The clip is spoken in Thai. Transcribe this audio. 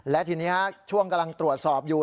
และทีนี้ช่วงกำลังตรวจสอบอยู่